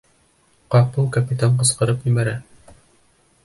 Ҡапыл капитан ҡысҡырып ебәрә: